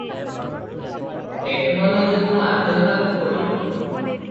ଟେକନୋଲୋଜିକୁ ଆଦରିବାକୁ ପଡ଼ିବ ।